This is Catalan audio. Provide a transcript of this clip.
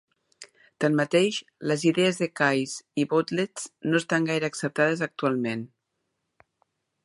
Tanmateix, les idees de Keys i Wohletz no estan gaire acceptades actualment.